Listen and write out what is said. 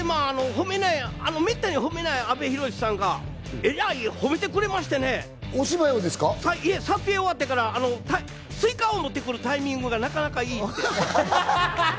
めったに褒めない阿部寛さんがえらい褒めてくれましてね、撮影が終わってからスイカを持ってくるタイミングがなかなかいいって。